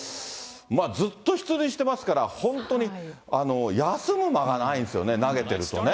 ずっと出塁してますから、本当に休む間がないんですよね、投げてるとね。